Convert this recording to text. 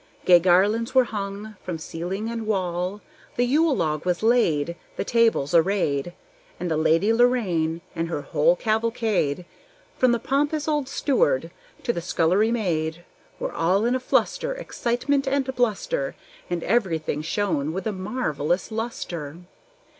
Gay garlands were hung from ceiling and wall; The Yule log was laid, the tables arrayed, And the Lady Lorraine and her whole cavalcade, From the pompous old steward to the scullery maid, Were all in a fluster, Excitement and bluster, And everything shone with a marvellous lustre.